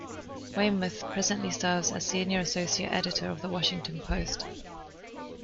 Weymouth presently serves as Senior Associate Editor of the Washington Post.